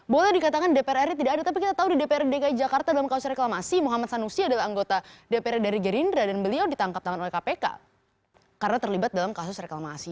boleh dikatakan dpr ri tidak ada tapi kita tahu di dprd dki jakarta dalam kasus reklamasi muhammad sanusi adalah anggota dpr dari gerindra dan beliau ditangkap tangan oleh kpk karena terlibat dalam kasus reklamasi